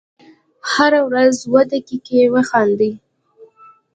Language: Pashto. هره ورځ اووه دقیقې وخاندئ .